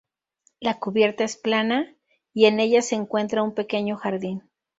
La cubierta es plana y en ella se encuentra un pequeño jardín.